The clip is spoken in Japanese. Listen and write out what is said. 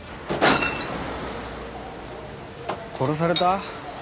殺された？